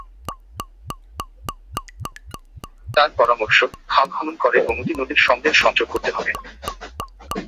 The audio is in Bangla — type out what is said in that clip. তাঁর পরামর্শ, খাল খনন করে গোমতী নদীর সঙ্গে সংযোগ করতে হবে।